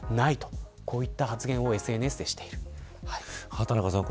畑中さん